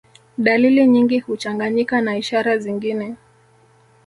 Dalili nyingi huchanganyika na ishara zingine